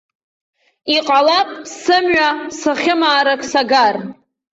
Иҟалап сымҩа сахьымаарагь сагар.